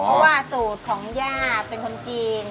เพราะว่าสูตรของย่าเป็นคนจีน